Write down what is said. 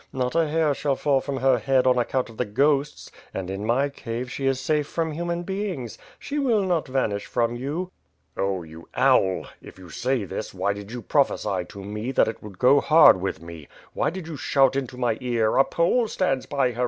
Not a hair shall fall from her head on account of the ghosts; and in my cave, she is safe from human beings. She will not vanish from you.'' "Oh, you owl! If you say this, why did you prophecy to me that it would go hard with me? Why did you shout into my ear ^a Pole stands bv her!